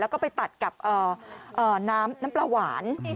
แล้วก็ไปตัดกับน้ำปลาหวาน